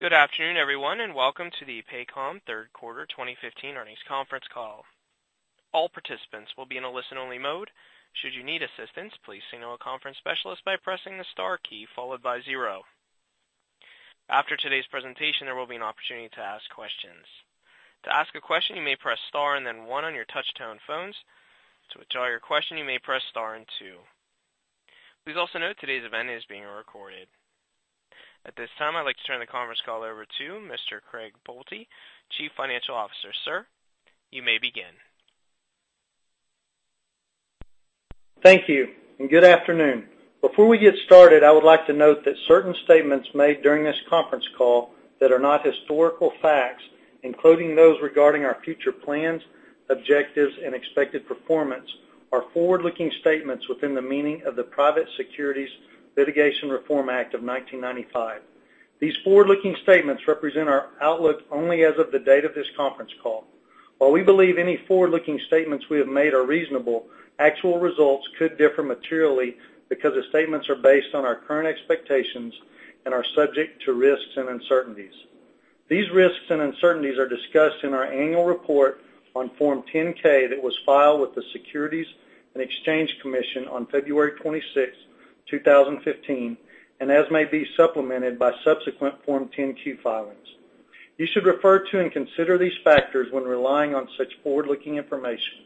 Good afternoon, everyone, and welcome to the Paycom third quarter 2015 earnings conference call. All participants will be in a listen-only mode. Should you need assistance, please signal a conference specialist by pressing the star key, followed by zero. After today's presentation, there will be an opportunity to ask questions. To ask a question, you may press star and then one on your touch-tone phones. To withdraw your question, you may press star and two. Please also note today's event is being recorded. At this time, I'd like to turn the conference call over to Mr. Craig Boelte, Chief Financial Officer. Sir, you may begin. Thank you. Good afternoon. Before we get started, I would like to note that certain statements made during this conference call that are not historical facts, including those regarding our future plans, objectives, and expected performance, are forward-looking statements within the meaning of the Private Securities Litigation Reform Act of 1995. These forward-looking statements represent our outlook only as of the date of this conference call. While we believe any forward-looking statements we have made are reasonable, actual results could differ materially because the statements are based on our current expectations and are subject to risks and uncertainties. These risks and uncertainties are discussed in our annual report on Form 10-K that was filed with the Securities and Exchange Commission on February 26, 2015, and as may be supplemented by subsequent Form 10-Q filings. You should refer to and consider these factors when relying on such forward-looking information.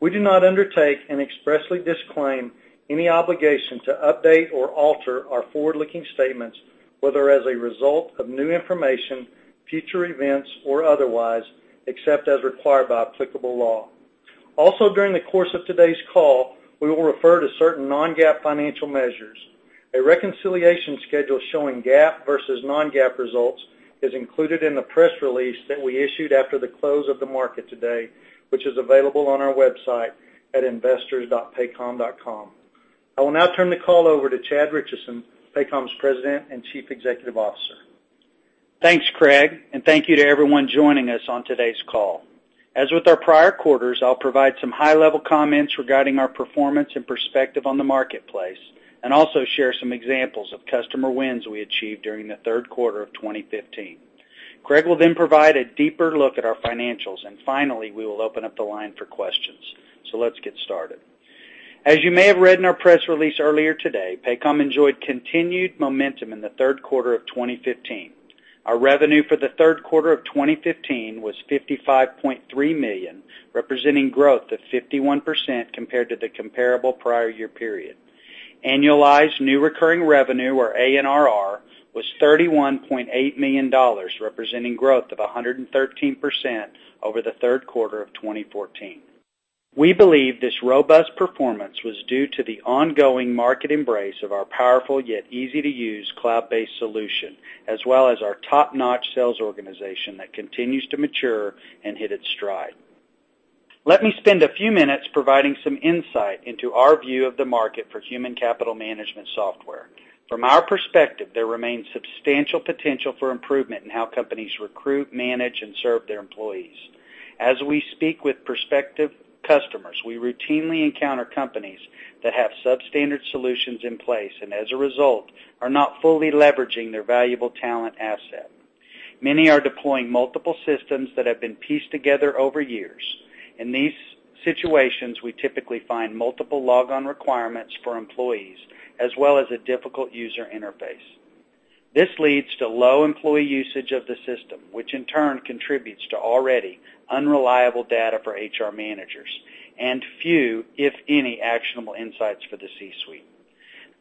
We do not undertake and expressly disclaim any obligation to update or alter our forward-looking statements, whether as a result of new information, future events, or otherwise, except as required by applicable law. During the course of today's call, we will refer to certain non-GAAP financial measures. A reconciliation schedule showing GAAP versus non-GAAP results is included in the press release that we issued after the close of the market today, which is available on our website at investors.paycom.com. I will now turn the call over to Chad Richison, Paycom's President and Chief Executive Officer. Thanks, Craig. Thank you to everyone joining us on today's call. As with our prior quarters, I'll provide some high-level comments regarding our performance and perspective on the marketplace and also share some examples of customer wins we achieved during the third quarter of 2015. Craig will provide a deeper look at our financials. Finally, we will open up the line for questions. Let's get started. As you may have read in our press release earlier today, Paycom enjoyed continued momentum in the third quarter of 2015. Our revenue for the third quarter of 2015 was $55.3 million, representing growth of 51% compared to the comparable prior year period. Annualized new recurring revenue, or ANRR, was $31.8 million, representing growth of 113% over the third quarter of 2014. We believe this robust performance was due to the ongoing market embrace of our powerful, yet easy-to-use cloud-based solution, as well as our top-notch sales organization that continues to mature and hit its stride. Let me spend a few minutes providing some insight into our view of the market for human capital management software. From our perspective, there remains substantial potential for improvement in how companies recruit, manage, and serve their employees. As we speak with prospective customers, we routinely encounter companies that have substandard solutions in place and as a result, are not fully leveraging their valuable talent asset. Many are deploying multiple systems that have been pieced together over years. In these situations, we typically find multiple log-on requirements for employees, as well as a difficult user interface. This leads to low employee usage of the system, which in turn contributes to already unreliable data for HR managers and few, if any, actionable insights for the C-suite.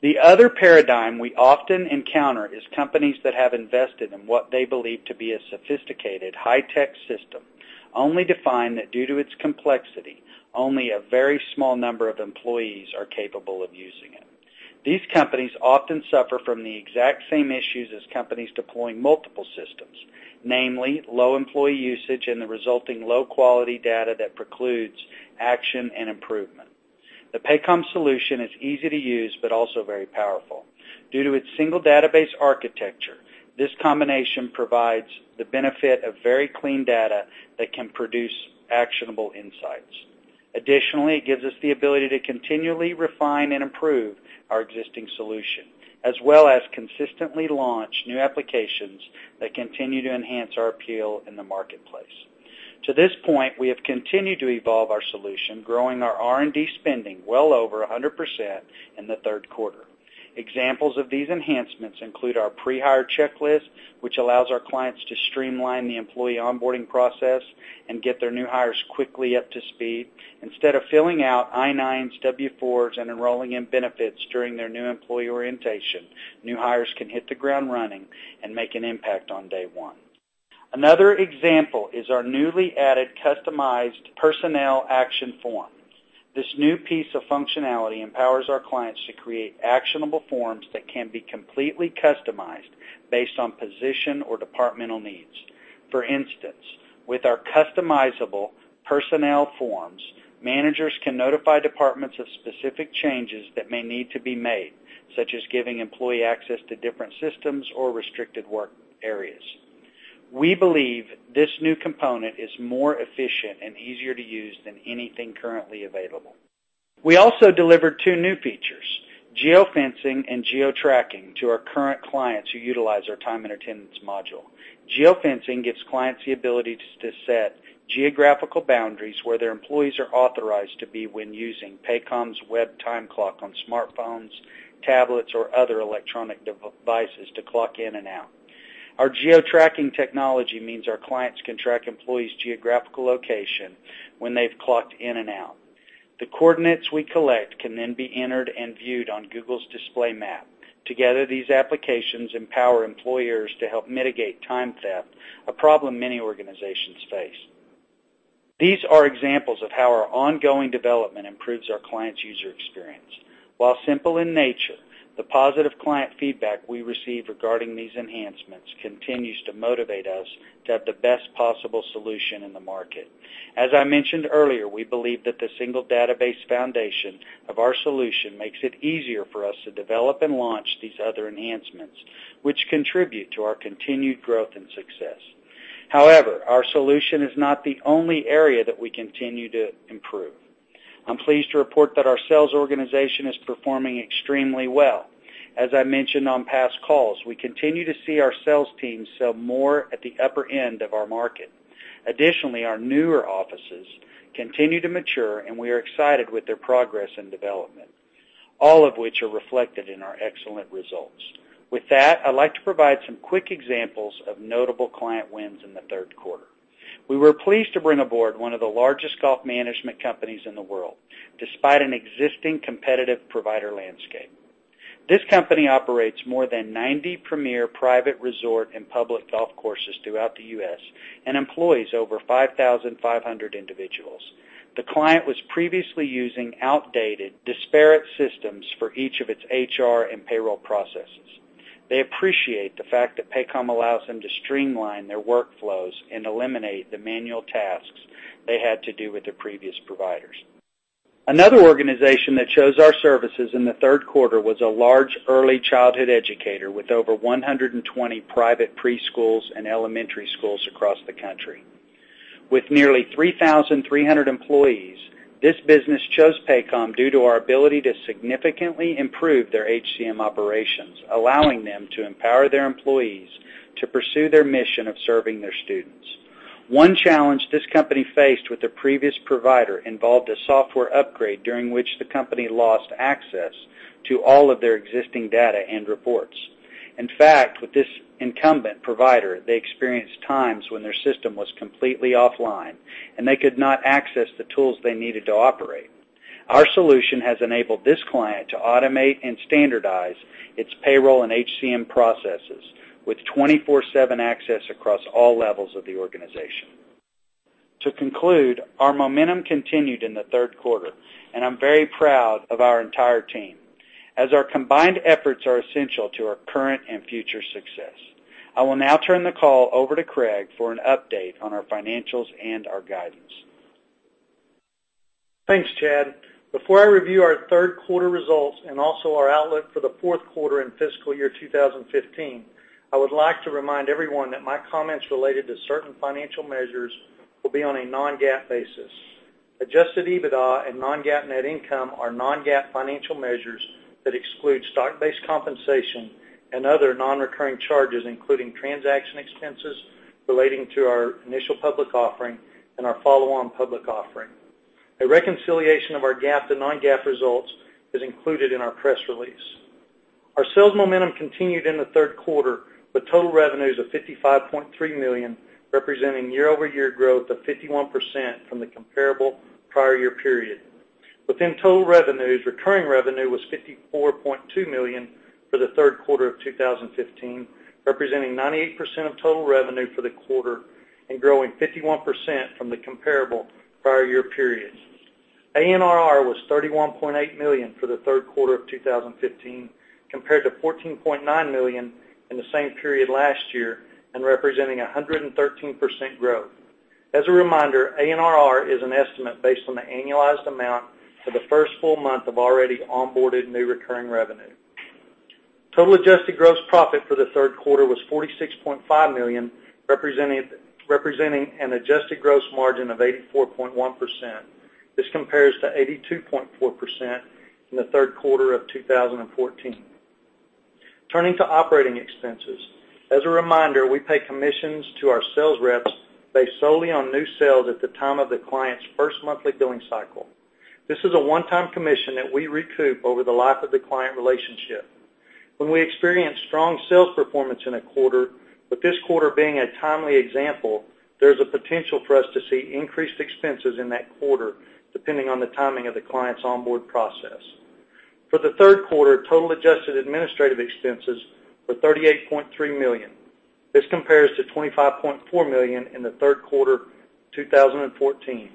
The other paradigm we often encounter is companies that have invested in what they believe to be a sophisticated high-tech system, only to find that due to its complexity, only a very small number of employees are capable of using it. These companies often suffer from the exact same issues as companies deploying multiple systems, namely low employee usage and the resulting low-quality data that precludes action and improvement. The Paycom solution is easy to use but also very powerful. Due to its single database architecture, this combination provides the benefit of very clean data that can produce actionable insights. Additionally, it gives us the ability to continually refine and improve our existing solution, as well as consistently launch new applications that continue to enhance our appeal in the marketplace. To this point, we have continued to evolve our solution, growing our R&D spending well over 100% in the third quarter. Examples of these enhancements include our pre-hire checklist, which allows our clients to streamline the employee onboarding process and get their new hires quickly up to speed. Instead of filling out I-9s, W-4s, and enrolling in benefits during their new employee orientation, new hires can hit the ground running and make an impact on day one. Another example is our newly added customized personnel action form. This new piece of functionality empowers our clients to create actionable forms that can be completely customized based on position or departmental needs. For instance, with our customizable personnel forms, managers can notify departments of specific changes that may need to be made, such as giving employee access to different systems or restricted work areas. We believe this new component is more efficient and easier to use than anything currently available. We also delivered two new features, geo-fencing and geo-tracking, to our current clients who utilize our time and attendance module. Geo-fencing gives clients the ability to set geographical boundaries where their employees are authorized to be when using Paycom's web time clock on smartphones, tablets, or other electronic devices to clock in and out. Our geo-tracking technology means our clients can track employees' geographical location when they've clocked in and out. The coordinates we collect can then be entered and viewed on Google's display map. Together, these applications empower employers to help mitigate time theft, a problem many organizations face. These are examples of how our ongoing development improves our clients' user experience. While simple in nature, the positive client feedback we receive regarding these enhancements continues to motivate us to have the best possible solution in the market. As I mentioned earlier, we believe that the single database foundation of our solution makes it easier for us to develop and launch these other enhancements, which contribute to our continued growth and success. Our solution is not the only area that we continue to improve. I'm pleased to report that our sales organization is performing extremely well. As I mentioned on past calls, we continue to see our sales team sell more at the upper end of our market. Our newer offices continue to mature, and we are excited with their progress and development, all of which are reflected in our excellent results. With that, I'd like to provide some quick examples of notable client wins in the third quarter. We were pleased to bring aboard one of the largest golf management companies in the world, despite an existing competitive provider landscape. This company operates more than 90 premier private resort and public golf courses throughout the U.S. and employs over 5,500 individuals. The client was previously using outdated, disparate systems for each of its HR and payroll processes. They appreciate the fact that Paycom allows them to streamline their workflows and eliminate the manual tasks they had to do with their previous providers. Another organization that chose our services in the third quarter was a large early childhood educator with over 120 private preschools and elementary schools across the country. With nearly 3,300 employees, this business chose Paycom due to our ability to significantly improve their HCM operations, allowing them to empower their employees to pursue their mission of serving their students. One challenge this company faced with their previous provider involved a software upgrade during which the company lost access to all of their existing data and reports. With this incumbent provider, they experienced times when their system was completely offline, and they could not access the tools they needed to operate. Our solution has enabled this client to automate and standardize its payroll and HCM processes with twenty-four-seven access across all levels of the organization. To conclude, our momentum continued in the third quarter, and I'm very proud of our entire team, as our combined efforts are essential to our current and future success. I will now turn the call over to Craig for an update on our financials and our guidance. Thanks, Chad. Before I review our third quarter results and also our outlook for the fourth quarter and fiscal year 2015, I would like to remind everyone that my comments related to certain financial measures will be on a non-GAAP basis. Adjusted EBITDA and non-GAAP net income are non-GAAP financial measures that exclude stock-based compensation and other non-recurring charges, including transaction expenses relating to our initial public offering and our follow-on public offering. A reconciliation of our GAAP to non-GAAP results is included in our press release. Our sales momentum continued in the third quarter with total revenues of $55.3 million, representing year-over-year growth of 51% from the comparable prior year period. Within total revenues, recurring revenue was $54.2 million for the third quarter of 2015, representing 98% of total revenue for the quarter and growing 51% from the comparable prior year periods. ANRR was $31.8 million for the third quarter of 2015, compared to $14.9 million in the same period last year and representing 113% growth. As a reminder, ANRR is an estimate based on the annualized amount for the first full month of already onboarded new recurring revenue. Total adjusted gross profit for the third quarter was $46.5 million, representing an adjusted gross margin of 84.1%. This compares to 82.4% in the third quarter of 2014. Turning to operating expenses. As a reminder, we pay commissions to our sales reps based solely on new sales at the time of the client's first monthly billing cycle. This is a one-time commission that we recoup over the life of the client relationship. When we experience strong sales performance in a quarter, with this quarter being a timely example, there's a potential for us to see increased expenses in that quarter, depending on the timing of the client's onboard process. For the third quarter, total adjusted administrative expenses were $38.3 million. This compares to $25.4 million in the third quarter 2014.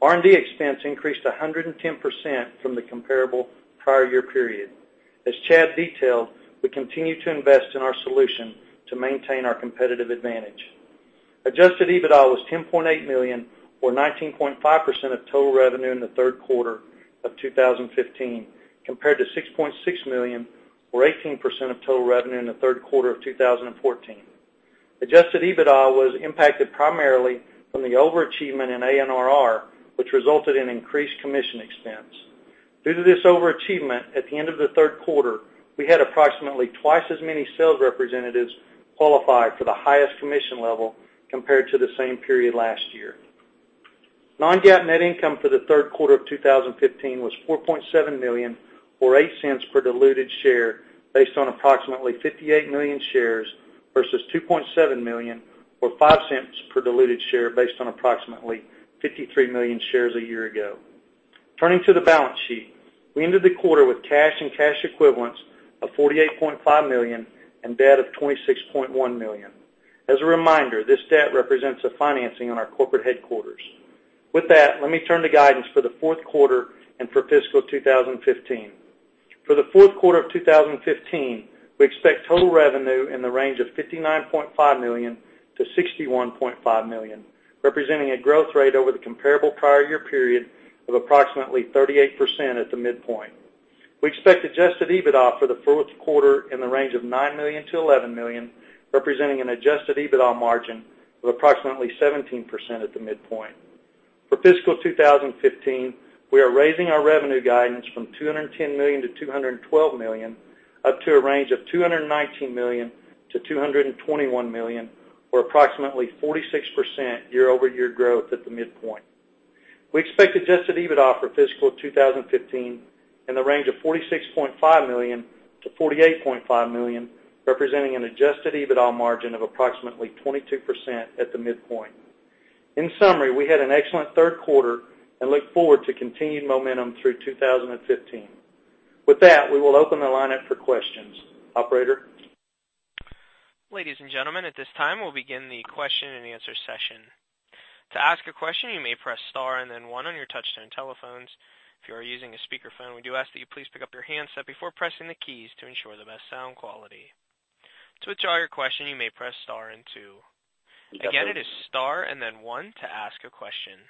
R&D expense increased 110% from the comparable prior year period. As Chad detailed, we continue to invest in our solution to maintain our competitive advantage. Adjusted EBITDA was $10.8 million or 19.5% of total revenue in the third quarter of 2015, compared to $6.6 million or 18% of total revenue in the third quarter of 2014. Adjusted EBITDA was impacted primarily from the overachievement in ANRR, which resulted in increased commission expense. Due to this overachievement, at the end of the third quarter, we had approximately twice as many sales representatives qualified for the highest commission level compared to the same period last year. Non-GAAP net income for the third quarter of 2015 was $4.7 million, or $0.08 per diluted share, based on approximately 58 million shares versus $2.7 million, or $0.05 per diluted share, based on approximately 53 million shares a year ago. Turning to the balance sheet, we ended the quarter with cash and cash equivalents of $48.5 million and debt of $26.1 million. As a reminder, this debt represents a financing on our corporate headquarters. With that, let me turn to guidance for the fourth quarter and for fiscal 2015. For the fourth quarter of 2015, we expect total revenue in the range of $59.5 million-$61.5 million, representing a growth rate over the comparable prior year period of approximately 38% at the midpoint. We expect adjusted EBITDA for the fourth quarter in the range of $9 million-$11 million, representing an adjusted EBITDA margin of approximately 17% at the midpoint. For fiscal 2015, we are raising our revenue guidance from $210 million-$212 million, up to a range of $219 million-$221 million, or approximately 46% year-over-year growth at the midpoint. We expect adjusted EBITDA for fiscal 2015 in the range of $46.5 million-$48.5 million, representing an adjusted EBITDA margin of approximately 22% at the midpoint. In summary, we had an excellent third quarter and look forward to continued momentum through 2015. With that, we will open the line up for questions. Operator. Ladies and gentlemen, at this time, we'll begin the question and answer session. To ask a question, you may press star and then one on your touchtone telephones. If you are using a speakerphone, we do ask that you please pick up your handset before pressing the keys to ensure the best sound quality. To withdraw your question, you may press star and two. Again, it is star and then one to ask a question.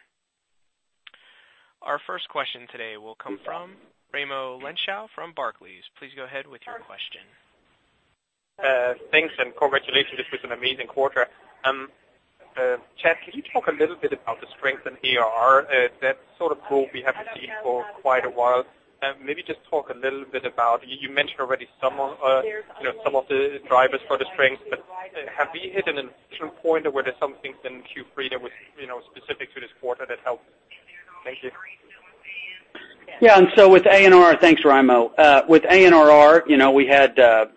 Our first question today will come from Raimo Lenschow from Barclays. Please go ahead with your question. Thanks, and congratulations. This was an amazing quarter. Chad, can you talk a little bit about the strength in ARR? That's sort of growth we haven't seen for quite a while. Maybe just talk a little bit. You mentioned already some of the drivers for the strength, but have we hit an inflection point or were there some things in Q3 that was specific to this quarter that helped? Thank you. Yeah. Thanks, Raimo. With ANRR, we had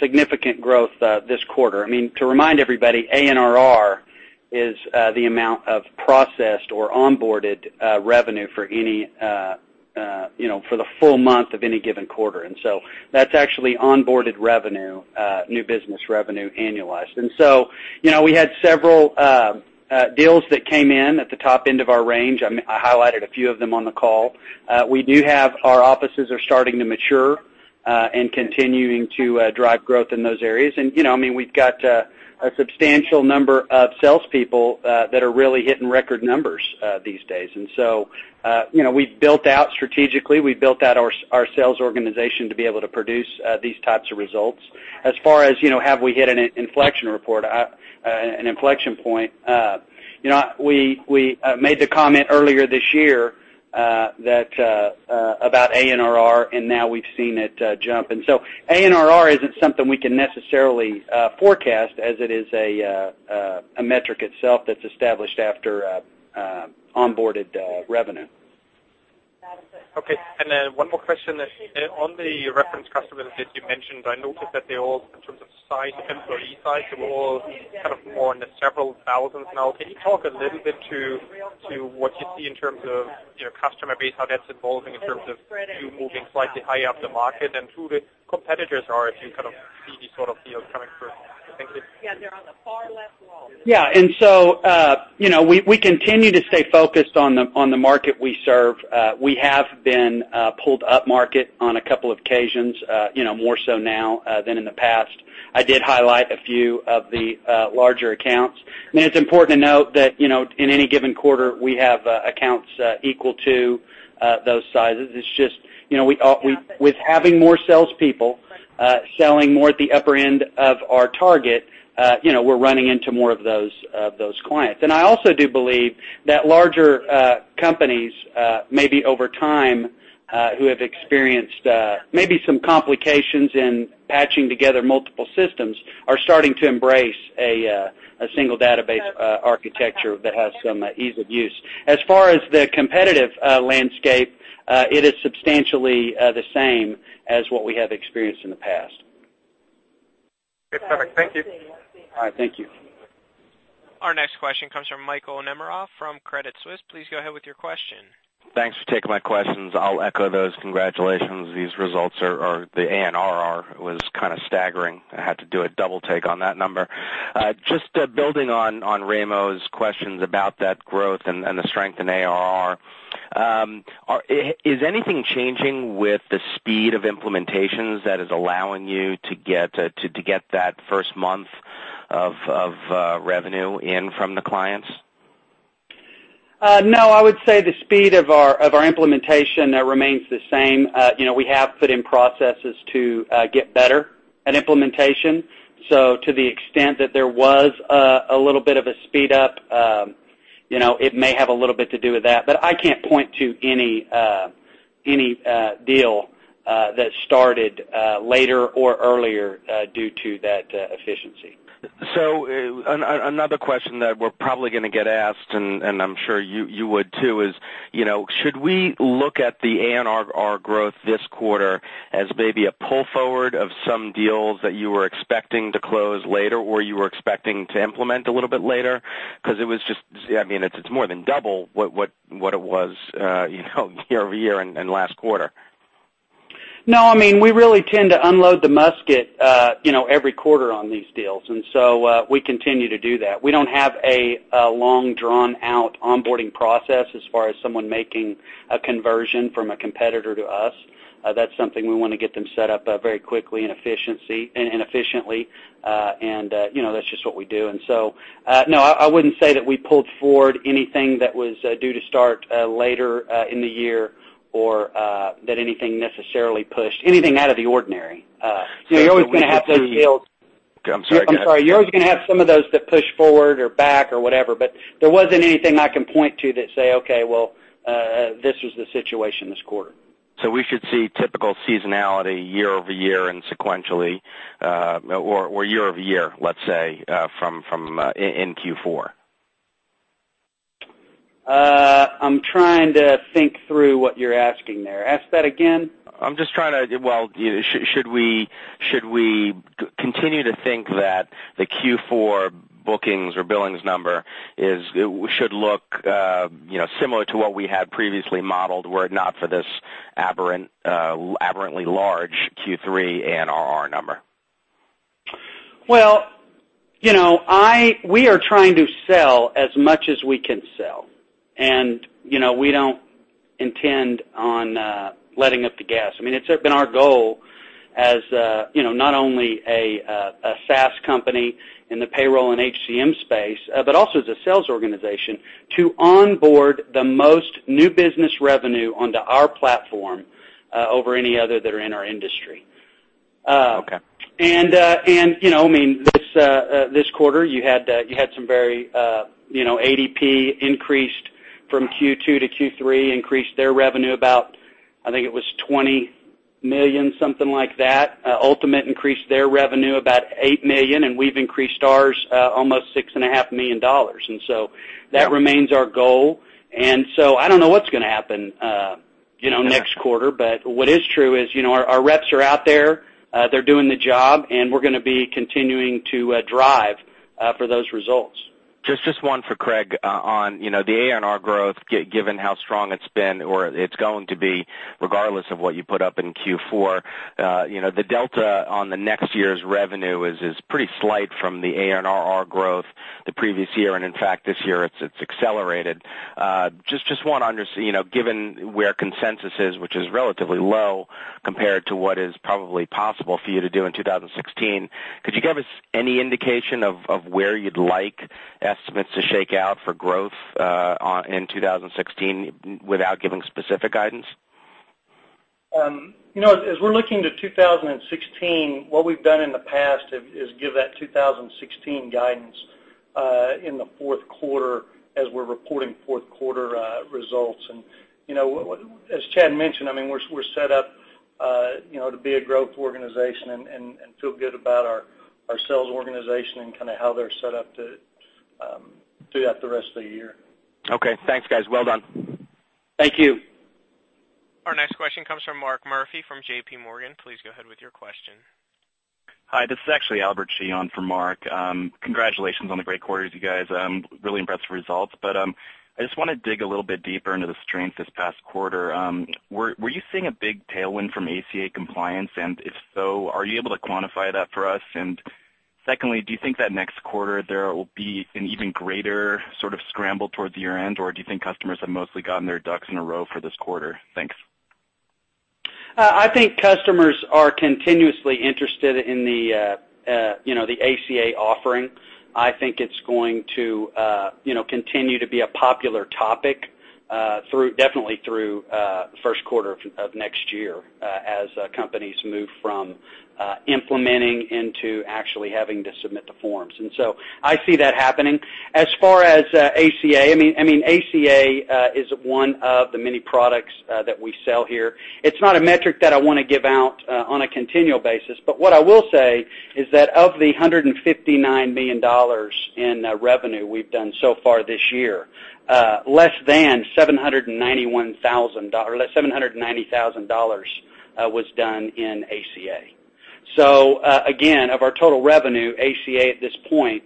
significant growth this quarter. To remind everybody, ANRR is the amount of processed or onboarded revenue for the full month of any given quarter. That's actually onboarded revenue, new business revenue, annualized. We had several deals that came in at the top end of our range. I highlighted a few of them on the call. We do have our offices are starting to mature and continuing to drive growth in those areas. We've got a substantial number of salespeople that are really hitting record numbers these days. We've built out strategically. We've built out our sales organization to be able to produce these types of results. As far as have we hit an inflection point, we made the comment earlier this year about ANRR, now we've seen it jump. ANRR isn't something we can necessarily forecast as it is a metric itself that's established after onboarded revenue. Okay. Then one more question. On the reference customers that you mentioned, I noticed that they all, in terms of size, employee size, they're all kind of more in the several thousands now. Can you talk a little bit to what you see in terms of your customer base, how that's evolving in terms of you moving slightly higher up the market and who the competitors are as you kind of see these sort of deals coming through? Thank you. Yeah. So we continue to stay focused on the market we serve. We have been pulled up market on a couple of occasions, more so now than in the past. I did highlight a few of the larger accounts. It's important to note that, in any given quarter, we have accounts equal to those sizes. It's just with having more salespeople selling more at the upper end of our target, we're running into more of those clients. I also do believe that larger companies, maybe over time, who have experienced maybe some complications in patching together multiple systems, are starting to embrace a single database architecture that has some ease of use. As far as the competitive landscape, it is substantially the same as what we have experienced in the past. Perfect. Thank you. All right. Thank you. Our next question comes from Michael Nemeroff from Credit Suisse. Please go ahead with your question. Thanks for taking my questions. I'll echo those congratulations. These results, the ANRR was kind of staggering. I had to do a double take on that number. Just building on Raimo's questions about that growth and the strength in ARR. Is anything changing with the speed of implementations that is allowing you to get that first month of revenue in from the clients? No, I would say the speed of our implementation remains the same. We have put in processes to get better at implementation. To the extent that there was a little bit of a speed up, it may have a little bit to do with that, but I can't point to any deal that started later or earlier due to that efficiency. Another question that we're probably going to get asked, and I'm sure you would too, is should we look at the ANRR growth this quarter as maybe a pull forward of some deals that you were expecting to close later, or you were expecting to implement a little bit later? Because it's more than double what it was year-over-year in last quarter. No, we really tend to unload the musket every quarter on these deals, so we continue to do that. We don't have a long, drawn out onboarding process as far as someone making a conversion from a competitor to us. That's something we want to get them set up very quickly and efficiently. That's just what we do. No, I wouldn't say that we pulled forward anything that was due to start later in the year or that anything necessarily pushed anything out of the ordinary. You're always going to have those deals. I'm sorry. You're always going to have some of those that push forward or back or whatever, but there wasn't anything I can point to that say, "Okay, well, this was the situation this quarter. We should see typical seasonality year-over-year and sequentially or year-over-year, let's say, in Q4. I'm trying to think through what you're asking there. Ask that again. I'm just trying to well, should we continue to think that the Q4 bookings or billings number should look similar to what we had previously modeled, were it not for this aberrantly large Q3 ANRR number? We are trying to sell as much as we can sell, and we don't intend on letting up the gas. It's been our goal as not only a SaaS company in the payroll and HCM space, but also as a sales organization to onboard the most new business revenue onto our platform over any other that are in our industry. Okay. This quarter, you had some very ADP increased from Q2 to Q3, increased their revenue about, I think it was $20 million, something like that. Ultimate increased their revenue about $8 million, and we've increased ours almost $6.5 million. That remains our goal. I don't know what's going to happen next quarter. What is true is our reps are out there, they're doing the job, and we're going to be continuing to drive for those results. Just one for Craig on the ANRR growth, given how strong it's been or it's going to be, regardless of what you put up in Q4. The delta on the next year's revenue is pretty slight from the ANRR growth the previous year, and in fact, this year it's accelerated. Just want to given where consensus is, which is relatively low compared to what is probably possible for you to do in 2016, could you give us any indication of where you'd like estimates to shake out for growth in 2016 without giving specific guidance? As we're looking to 2016, what we've done in the past is give that 2016 guidance in the fourth quarter as we're reporting fourth quarter results. As Chad mentioned, we're set up to be a growth organization and feel good about our sales organization and how they're set up to do that the rest of the year. Okay. Thanks, guys. Well done. Thank you. Our next question comes from Mark Murphy from JP Morgan. Please go ahead with your question. Hi, this is actually Albert Shih in for Mark. Congratulations on the great quarter, you guys. I'm really impressed with results, but I just want to dig a little bit deeper into the strength this past quarter. Were you seeing a big tailwind from ACA compliance, and if so, are you able to quantify that for us? Secondly, do you think that next quarter there will be an even greater sort of scramble towards your end, or do you think customers have mostly gotten their ducks in a row for this quarter? Thanks. I think customers are continuously interested in the ACA offering. I think it's going to continue to be a popular topic, definitely through first quarter of next year as companies move from implementing into actually having to submit the forms. I see that happening. As far as ACA is one of the many products that we sell here. It's not a metric that I want to give out on a continual basis, but what I will say is that of the $159 million in revenue we've done so far this year, less than $790,000 was done in ACA. Again, of our total revenue, ACA at this point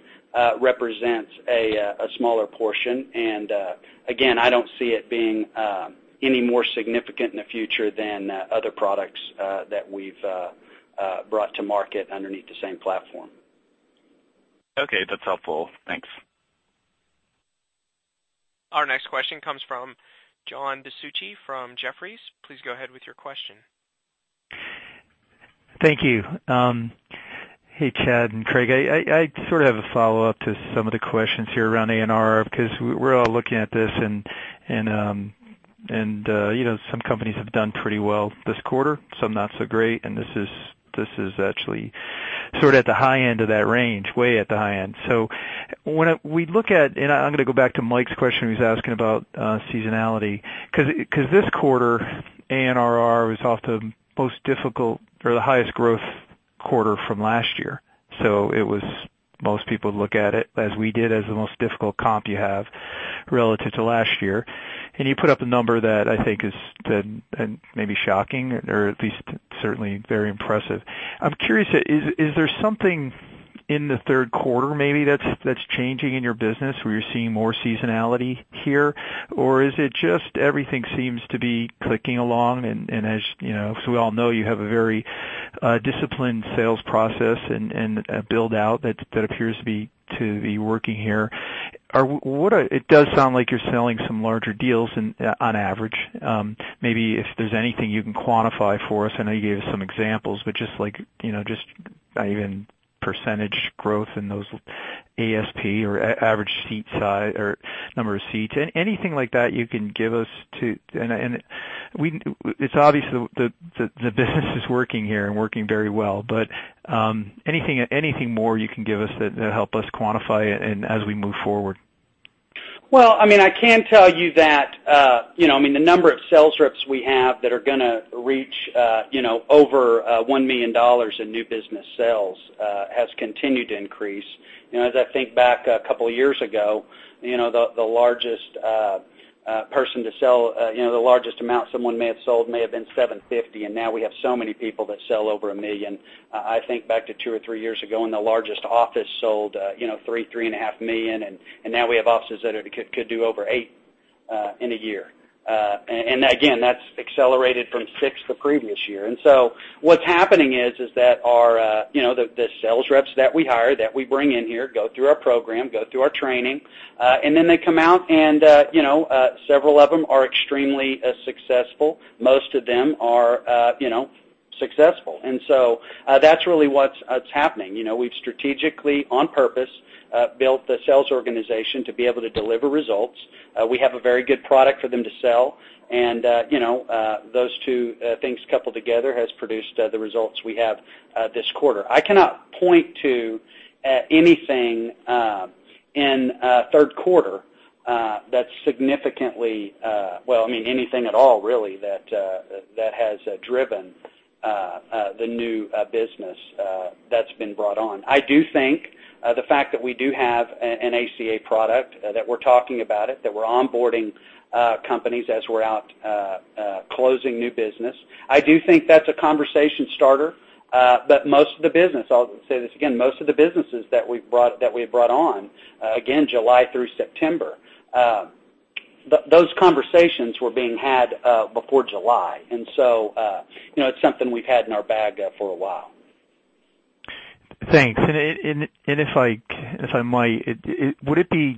represents a smaller portion. Again, I don't see it being any more significant in the future than other products that we've brought to market underneath the same platform. Okay, that's helpful. Thanks. Our next question comes from John DiFucci from Jefferies. Please go ahead with your question. Thank you. Hey, Chad and Craig. I sort of have a follow-up to some of the questions here around ANRR. We're all looking at this and some companies have done pretty well this quarter, some not so great, and this is actually sort of at the high end of that range, way at the high end. When we look at, and I'm going to go back to Mike's question, he was asking about seasonality, because this quarter, ANRR was off the most difficult or the highest growth quarter from last year. Most people look at it, as we did, as the most difficult comp you have relative to last year. You put up a number that I think is maybe shocking or at least certainly very impressive. I'm curious, is there something in the third quarter maybe that's changing in your business where you're seeing more seasonality here? Or is it just everything seems to be clicking along? As we all know, you have a very disciplined sales process and build-out that appears to be working here. It does sound like you're selling some larger deals on average. Maybe if there's anything you can quantify for us, I know you gave some examples, but just like even percentage growth in those ASP or average seat size or number of seats. Anything like that you can give us? It's obvious the business is working here and working very well, but anything more you can give us that help us quantify as we move forward? Well, I can tell you that the number of sales reps we have that are going to reach over $1 million in new business sales has continued to increase. As I think back a couple of years ago, the largest amount someone may have sold may have been $750,000, and now we have so many people that sell over $1 million. I think back to two or three years ago, and the largest office sold $3, three and a half million, and now we have offices that could do over $8 million in a year. Again, that's accelerated from $6 million the previous year. What's happening is that the sales reps that we hire, that we bring in here, go through our program, go through our training, and then they come out and several of them are extremely successful. Most of them are successful. That's really what's happening. We've strategically, on purpose, built the sales organization to be able to deliver results. We have a very good product for them to sell, and those two things coupled together has produced the results we have this quarter. I cannot point to anything in third quarter that's significantly, well, I mean, anything at all, really, that has driven the new business that's been brought on. I do think the fact that we do have an ACA product, that we're talking about it, that we're onboarding companies as we're out closing new business, I do think that's a conversation starter. Most of the business, I'll say this again, most of the businesses that we've brought on, again, July through September, those conversations were being had before July. It's something we've had in our bag for a while. Thanks. If I might, would it be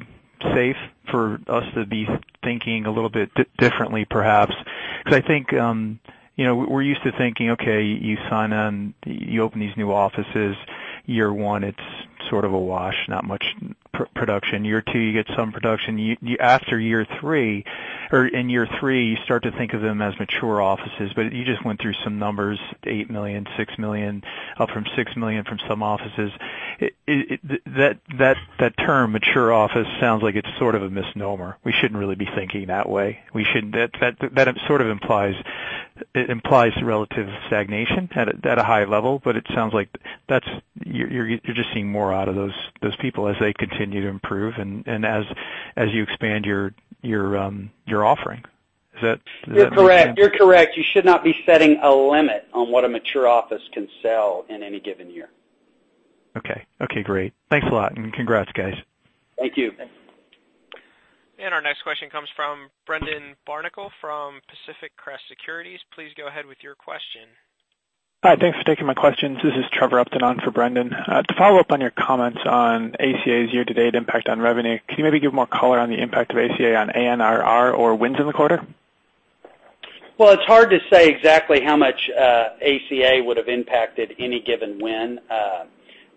safe for us to be thinking a little bit differently, perhaps? Because I think we're used to thinking, okay, you sign on, you open these new offices. Year one, it's sort of a wash, not much production. Year two, you get some production. After year three, or in year three, you start to think of them as mature offices. You just went through some numbers, $8 million, $6 million, up from $6 million from some offices. That term, mature office, sounds like it's sort of a misnomer. We shouldn't really be thinking that way. That sort of implies relative stagnation at a high level, but it sounds like you're just seeing more out of those people as they continue to improve and as you expand your offering. Does that make sense? You're correct. You should not be setting a limit on what a mature office can sell in any given year. Okay. Okay, great. Thanks a lot, congrats, guys. Thank you. Our next question comes from Brendan Barnicle from Pacific Crest Securities. Please go ahead with your question. Hi, thanks for taking my questions. This is Trevor Upton on for Brendan. To follow up on your comments on ACA's year-to-date impact on revenue, can you maybe give more color on the impact of ACA on ANRR or wins in the quarter? Well, it's hard to say exactly how much ACA would have impacted any given win.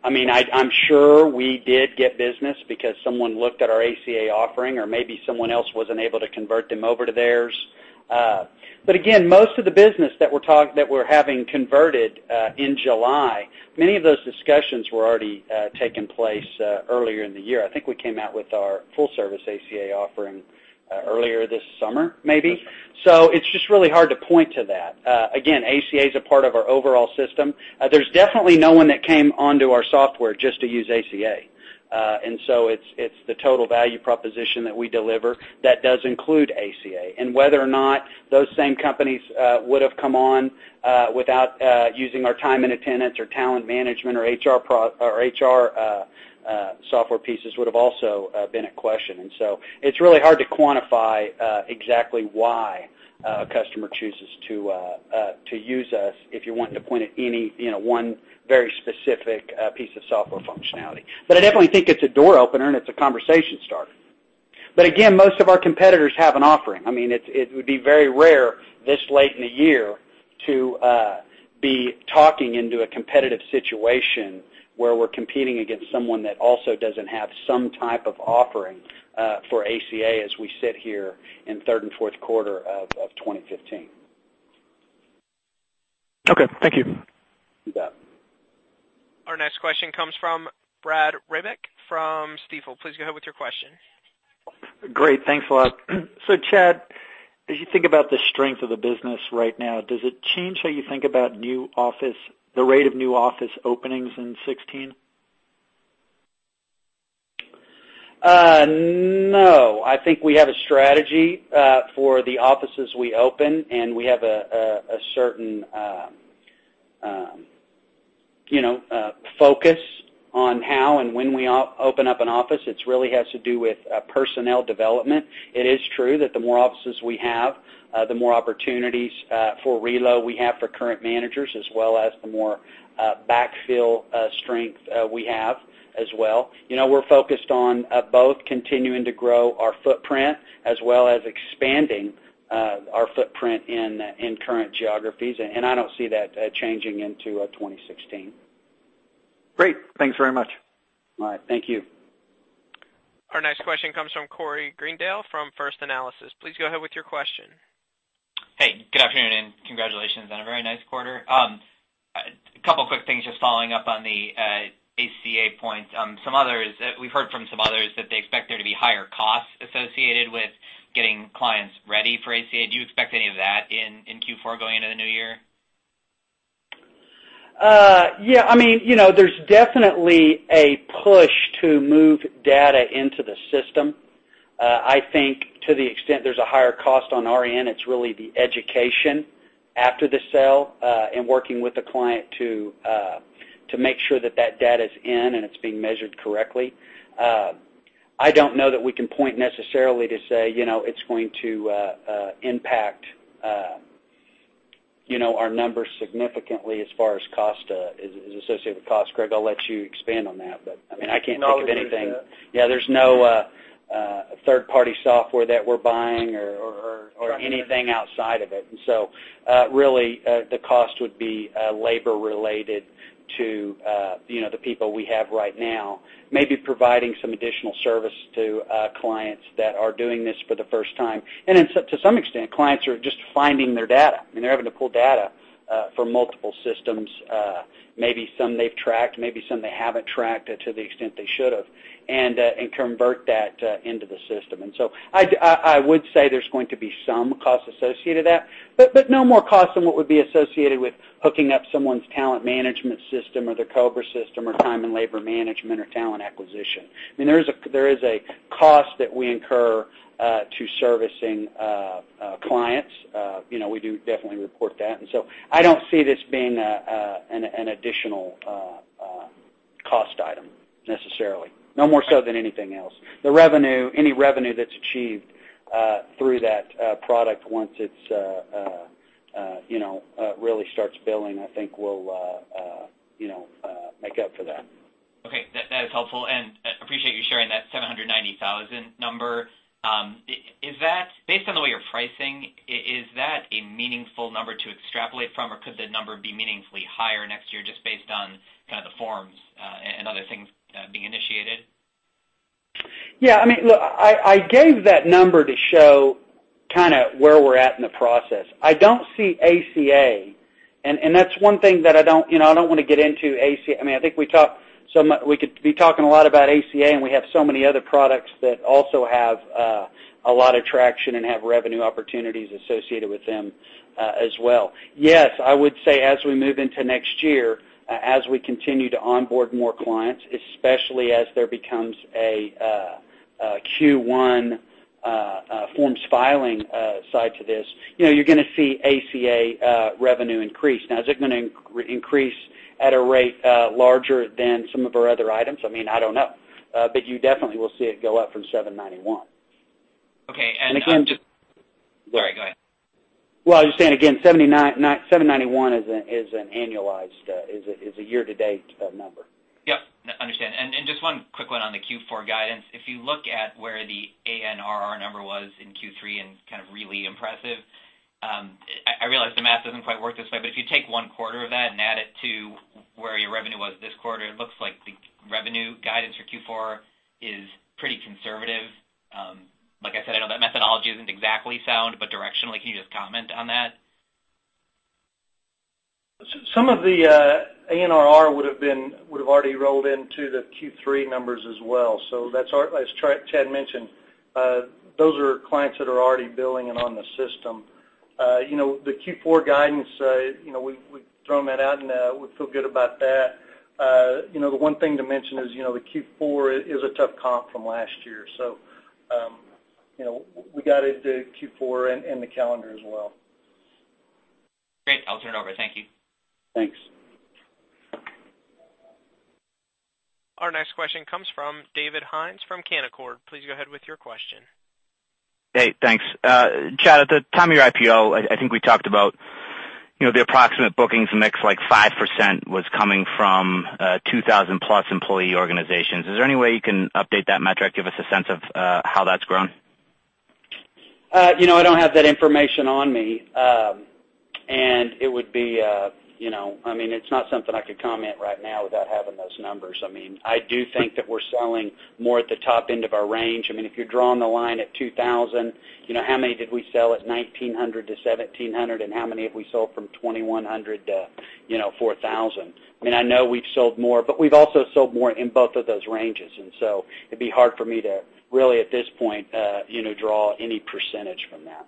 I'm sure we did get business because someone looked at our ACA offering, or maybe someone else wasn't able to convert them over to theirs. Again, most of the business that we're having converted in July, many of those discussions were already taking place earlier in the year. I think we came out with our full-service ACA offering earlier this summer, maybe. It's just really hard to point to that. Again, ACA is a part of our overall system. There's definitely no one that came onto our software just to use ACA. It's the total value proposition that we deliver that does include ACA. Whether or not those same companies would have come on without using our time and attendance or talent management or HR software pieces would have also been a question. So it's really hard to quantify exactly why a customer chooses to use us if you're wanting to point at any one very specific piece of software functionality. I definitely think it's a door opener and it's a conversation starter. Again, most of our competitors have an offering. It would be very rare this late in the year to be talking into a competitive situation where we're competing against someone that also doesn't have some type of offering for ACA as we sit here in third and fourth quarter of 2015. Okay, thank you. You bet. Our next question comes from Brad Reback from Stifel. Please go ahead with your question. Great, thanks a lot. Chad, as you think about the strength of the business right now, does it change how you think about the rate of new office openings in 2016? No. I think we have a strategy for the offices we open, and we have a certain focus on how and when we open up an office. It really has to do with personnel development. It is true that the more offices we have, the more opportunities for reload we have for current managers, as well as the more backfill strength we have as well. We're focused on both continuing to grow our footprint, as well as expanding our footprint in current geographies, and I don't see that changing into 2016. Great. Thanks very much. All right. Thank you. Our next question comes from Corey Greendale from First Analysis. Please go ahead with your question. Hey, good afternoon. Congratulations on a very nice quarter. A couple of quick things, just following up on the ACA point. We've heard from some others that they expect there to be higher costs associated with getting clients ready for ACA. Do you expect any of that in Q4 going into the new year? Yeah. There's definitely a push to move data into the system. I think to the extent there's a higher cost on our end, it's really the education after the sale, and working with the client to make sure that data's in and it's being measured correctly. I don't know that we can point necessarily to say it's going to impact our numbers significantly as far as associated cost. Craig, I'll let you expand on that, I can't think of anything. Yeah, there's no third-party software that we're buying or anything outside of it. Really, the cost would be labor-related to the people we have right now, maybe providing some additional service to clients that are doing this for the first time. To some extent, clients are just finding their data, and they're having to pull data from multiple systems. Maybe some they've tracked, maybe some they haven't tracked to the extent they should have, and convert that into the system. I would say there's going to be some cost associated with that, but no more cost than what would be associated with hooking up someone's talent management system or their COBRA system or time and labor management or talent acquisition. There is a cost that we incur to servicing clients. We do definitely report that. I don't see this being an additional cost item necessarily, no more so than anything else. Any revenue that's achieved through that product, once it really starts billing, I think will make up for that. Okay. That is helpful, and I appreciate you sharing that 790,000 number. Based on the way you're pricing, is that a meaningful number to extrapolate from, or could the number be meaningfully higher next year just based on kind of the forms and other things being initiated? Yeah. Look, I gave that number to show kind of where we're at in the process. I don't see ACA, and that's one thing that I don't want to get into ACA. We could be talking a lot about ACA, and we have so many other products that also have a lot of traction and have revenue opportunities associated with them as well. Yes, I would say as we move into next year, as we continue to onboard more clients, especially as there becomes a Q1 forms filing side to this, you're going to see ACA revenue increase. Now, is it going to increase at a rate larger than some of our other items? I don't know. You definitely will see it go up from 791. Okay. Sorry, go ahead. Well, I was just saying again, 791 is a year-to-date number. Yep, understand. Just one quick one on the Q4 guidance. If you look at where the ANRR number was in Q3 and kind of really impressive, I realize the math doesn't quite work this way, but if you take one quarter of that and add it to where your revenue was this quarter, it looks like the revenue guidance for Q4 is pretty conservative. Like I said, I know that methodology isn't exactly sound, but directionally, can you just comment on that? Some of the ANRR would've already rolled into the Q3 numbers as well. As Chad mentioned, those are clients that are already billing and on the system. The Q4 guidance, we've thrown that out, and we feel good about that. The one thing to mention is the Q4 is a tough comp from last year, we got into Q4 and the calendar as well. Great. I'll turn it over. Thank you. Thanks. Our next question comes from David Hynes from Canaccord. Please go ahead with your question. Hey, thanks. Chad, at the time of your IPO, I think we talked about the approximate bookings mix, like 5% was coming from 2,000-plus employee organizations. Is there any way you can update that metric, give us a sense of how that's grown? I don't have that information on me. It's not something I could comment right now without having those numbers. I do think that we're selling more at the top end of our range. If you're drawing the line at 2,000, how many did we sell at 1,900 to 1,700, and how many have we sold from 2,100 to 4,000? I know we've sold more, but we've also sold more in both of those ranges. So it'd be hard for me to really, at this point, draw any percentage from that.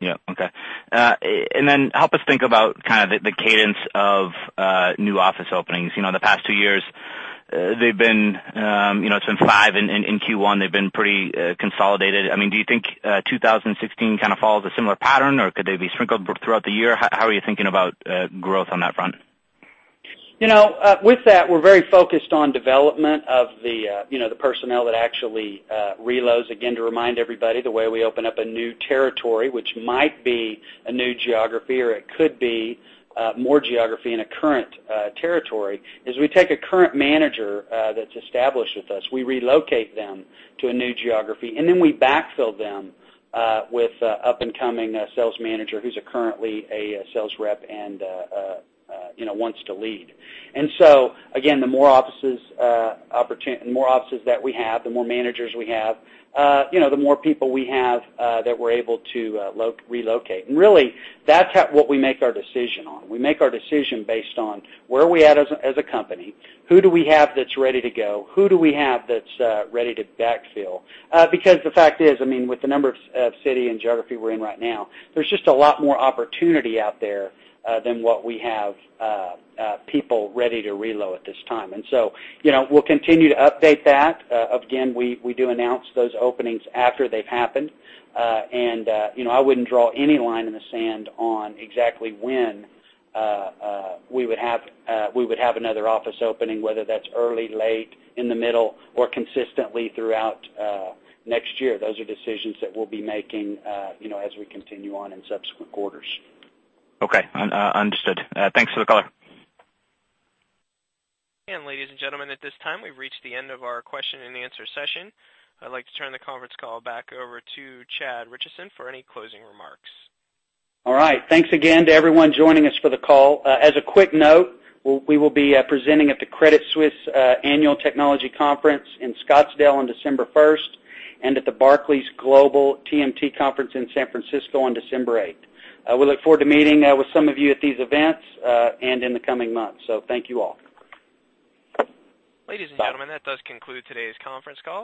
Yeah. Okay. Then help us think about the cadence of new office openings. The past two years, it's been five in Q1, they've been pretty consolidated. Do you think 2016 kind of follows a similar pattern, or could they be sprinkled throughout the year? How are you thinking about growth on that front? With that, we're very focused on development of the personnel that actually reloads. Again, to remind everybody, the way we open up a new territory, which might be a new geography, or it could be more geography in a current territory, is we take a current manager that's established with us, we relocate them to a new geography, and then we backfill them with an up-and-coming sales manager who's currently a sales rep and wants to lead. Again, the more offices that we have, the more managers we have, the more people we have that we're able to relocate. Really, that's what we make our decision on. We make our decision based on where are we at as a company? Who do we have that's ready to go? Who do we have that's ready to backfill? The fact is, with the number of city and geography we're in right now, there's just a lot more opportunity out there than what we have people ready to reload at this time. We'll continue to update that. Again, we do announce those openings after they've happened. I wouldn't draw any line in the sand on exactly when we would have another office opening, whether that's early, late, in the middle, or consistently throughout next year. Those are decisions that we'll be making as we continue on in subsequent quarters. Okay. Understood. Thanks for the call. Ladies and gentlemen, at this time, we've reached the end of our question and answer session. I'd like to turn the conference call back over to Chad Richison for any closing remarks. All right. Thanks again to everyone joining us for the call. As a quick note, we will be presenting at the Credit Suisse Annual Technology Conference in Scottsdale on December 1st, and at the Barclays Global TMT Conference in San Francisco on December 8th. We look forward to meeting with some of you at these events, and in the coming months. Thank you all. Ladies and gentlemen, that does conclude today's conference call.